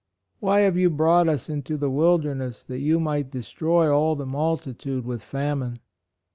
" Why have you brought us into the wilderness that you might destroy all the multi tude with famine."